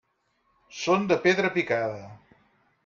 Són de pedra picada.